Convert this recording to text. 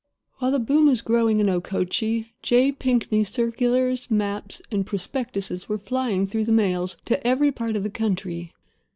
While the boom was growing in Okochee, J. Pinkney's circulars, maps, and prospectuses were flying through the mails to every part of the country.